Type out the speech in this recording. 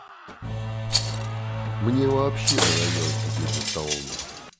Мне вообще надоело сидеть за столом.